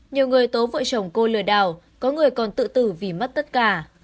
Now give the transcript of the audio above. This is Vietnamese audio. nhiều người tố vợ chồng cô lừa đảo có người còn tự tử vì mất tất cả